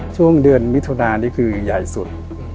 ช่วงเดือนมิถุนานี่คือใหญ่สุด